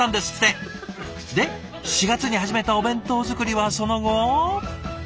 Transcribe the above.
で４月に始めたお弁当作りはその後。